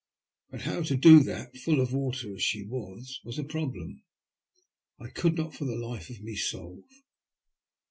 But how to do that, full of water as she was, was a problem I could not for the life of me solve.